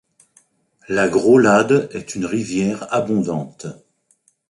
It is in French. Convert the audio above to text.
La Graulade est une rivière abondante.